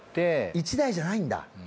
１台じゃないんだ！